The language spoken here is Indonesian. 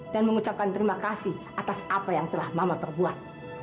dan mengucapkan terima kasih atas apa yang telah mama perbuat